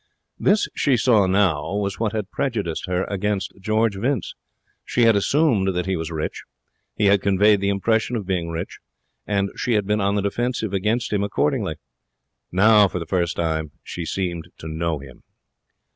This, she saw now, was what had prejudiced her against George Vince. She had assumed that he was rich. He had conveyed the impression of being rich. And she had been on the defensive against him accordingly. Now, for the first time, she seemed to know him.